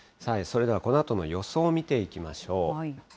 それではこのあとの予想を見ていきましょう。